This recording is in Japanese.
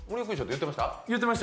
言ってましたよ。